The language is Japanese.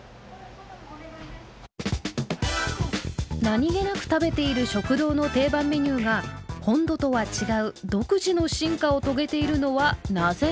何気なく食べている食堂の定番メニューが本土とは違う独自の進化を遂げているのはなぜなのか。